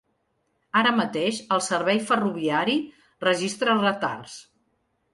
Ara mateix el servei ferroviari registra retards.